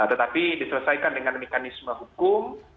tetapi diselesaikan dengan mekanisme hukum